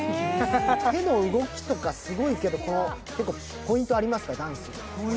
手の動きとかすごいけどもダンスのポイントありますか？